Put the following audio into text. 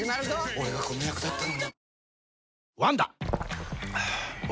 俺がこの役だったのにえ？